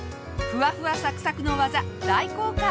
ふわふわサクサクの技大公開！